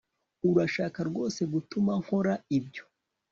Urashaka rwose gutuma nkora ibyo